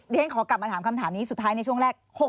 เรียนขอกลับมาถามคำถามนี้สุดท้ายในช่วงแรก